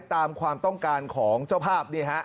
ตามความต้องการของเจ้าภาพ